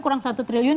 kurang satu triliun